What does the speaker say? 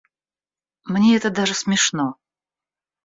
Мне это даже смешно.